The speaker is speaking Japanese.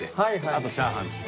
あとチャーハン。